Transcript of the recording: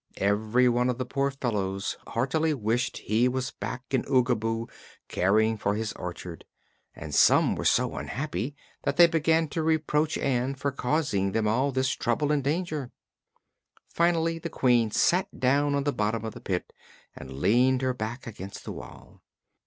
Every one of the poor fellows heartily wished he was back in Oogaboo caring for his orchard, and some were so unhappy that they began to reproach Ann for causing them all this trouble and danger. Finally the Queen sat down on the bottom of the pit and leaned her back against the wall.